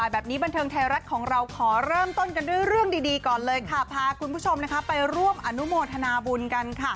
บันเทิงไทยรัฐของเราขอเริ่มต้นกันด้วยเรื่องดีก่อนเลยค่ะพาคุณผู้ชมไปร่วมอนุโมทนาบุญกันค่ะ